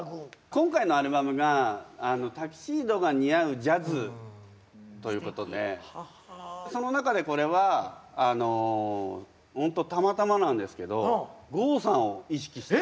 今回のアルバムがタキシードが似合うジャズということでその中でこれはホントたまたまなんですけど郷さんを意識した。